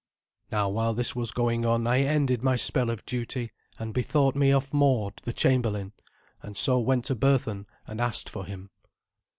Now while this was going on I ended my spell of duty, and bethought me of Mord the chamberlain, and so went to Berthun and asked for him.